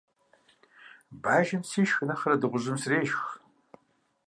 Бажэм сишх нэхърэ дыгъужьым срешх.